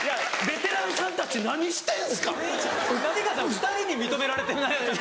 ２人に認められてない。